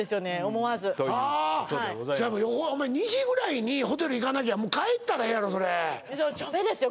思わずはあお前２時ぐらいにホテル行かなきゃもう帰ったらええやろそれダメですよ